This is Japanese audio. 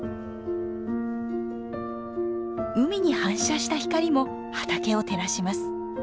海に反射した光も畑を照らします。